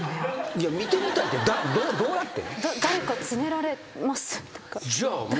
いや「見てみたい」ってどうやって？